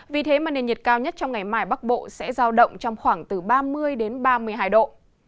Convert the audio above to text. vì thế mà nền nhiệt cao nhất trong ngày mai bắc bộ sẽ giao động trong khoảng từ ba mươi đến ba mươi hai độ